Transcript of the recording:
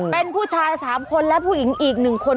เป็นผู้ชาย๓คนและผู้หญิงอีก๑คน